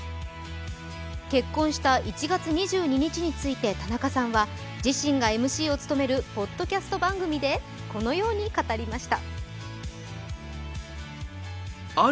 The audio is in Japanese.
結婚した１月２２日について田中さんは、自身がＭＣを務めるポッドキャスト番組でこのように語りました。